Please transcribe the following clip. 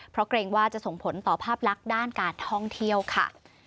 เพราะเกรงว่าจะส่งผลต่อภาพลักษณ์ด้านการท่องเที่ยวค่ะ